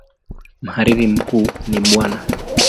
Mhariri mkuu ni Bw.